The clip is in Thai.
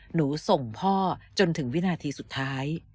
ส่งพ่อจนถึงวินาทีสุดท้าย